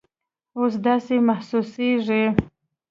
او داسې محسوسیږي